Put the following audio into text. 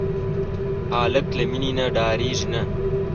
هلک له مینې نه ډاریږي نه.